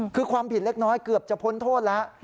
คือความผิดเล็กน้อยเกือบจะพ้นโทษแล้ว